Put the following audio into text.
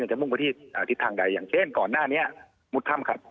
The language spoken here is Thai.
เราจะมุ่งไปที่อ่าทิศทางใดอย่างเช่นก่อนหน้านี้มุฒร์ถ้ำค่ะ